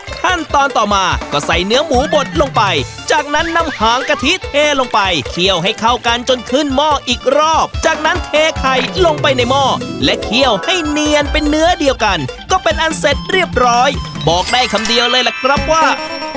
ขั้นตอนต่อมาก็ใส่เนื้อหมูบดลงไปจากนั้นนำหางกะทิเทลงไปเคี่ยวให้เข้ากันจนขึ้นหม้ออีกรอบจากนั้นเทไข่ลงไปในหม้อและเคี่ยวให้เนียนเป็นเนื้อเดียวกันก็เป็นอันเสร็จเรียบร้อยบอกได้คำเดียวเลยล่ะครับว่า